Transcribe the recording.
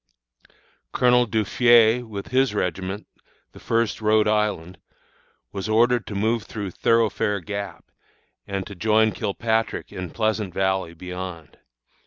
Colonel Duffié, with his regiment, the First Rhode Island, was ordered to move through Thoroughfare Gap, and to join Kilpatrick in Pleasant Valley beyond.